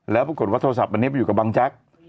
แล้วปรากฏว่าโทรศัพท์อันนี้ไปอยู่กับบังแจ๊ก